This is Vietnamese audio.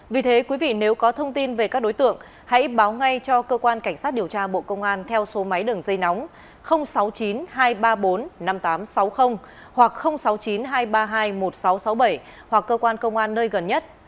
vì thế quý vị nếu có thông tin về các đối tượng hãy báo ngay cho cơ quan cảnh sát điều tra bộ công an theo số máy đường dây nóng sáu mươi chín hai trăm ba mươi bốn năm nghìn tám trăm sáu mươi hoặc sáu mươi chín hai trăm ba mươi hai một nghìn sáu trăm sáu mươi bảy hoặc cơ quan công an nơi gần nhất